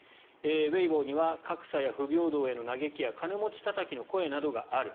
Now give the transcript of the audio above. ウェイボーには格差や不平等への嘆きや金持ちたたきの声などがある。